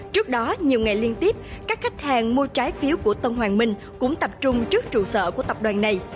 trước đó nhiều ngày liên tiếp các khách hàng mua trái phiếu của tân hoàng minh cũng tập trung trước trụ sở của tập đoàn này